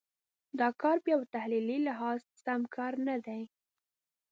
دا کار بیا په تحلیلي لحاظ سم کار نه دی.